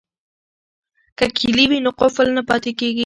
که کیلي وي نو قفل نه پاتیږي.